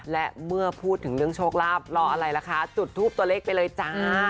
และเมื่อพูดถึงเรื่องโชคลาภรออะไรล่ะคะจุดทูปตัวเลขไปเลยจ้า